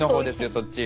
そっち。